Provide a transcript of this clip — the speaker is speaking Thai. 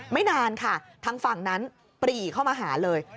นานค่ะทางฝั่งนั้นปรีเข้ามาหาเลย